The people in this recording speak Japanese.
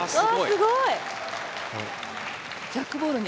すごい！